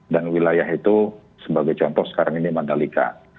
dan wilayah itu sebagai contoh sekarang ini mandalika